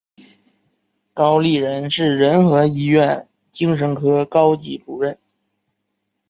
高立仁是仁和医院精神科高级医生。